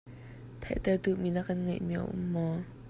Theihter duhmi na kan ngeihmi a um maw?